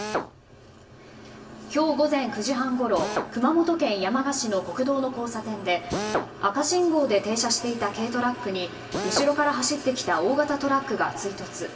今日午前９時半ごろ熊本県山鹿市の国道の交差点で赤信号で停車していた軽トラックに後ろから走ってきた大型トラックが追突。